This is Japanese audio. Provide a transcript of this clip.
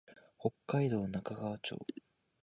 北海道中川町